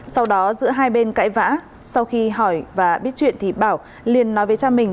sau đó giữa hai bên cãi vã sau khi hỏi và biết chuyện thì bảo liền nói với cha mình